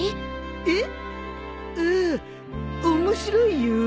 えっ？ああ面白いよ